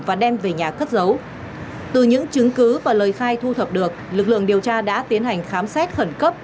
và đem về nhà cất giấu từ những chứng cứ và lời khai thu thập được lực lượng điều tra đã tiến hành khám xét khẩn cấp